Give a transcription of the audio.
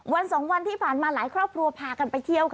วันสองวันที่ผ่านมาหลายครอบครัวพากันไปเที่ยวค่ะ